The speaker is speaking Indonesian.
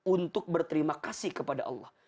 untuk berterima kasih kepada allah